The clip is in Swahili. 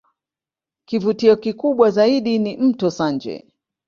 Kivutio kikubwa zaidi ni Mto Sanje